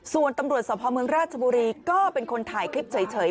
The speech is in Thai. ส่วนตำรวจสภเมืองราชบุรีก็เป็นคนถ่ายคลิปเฉย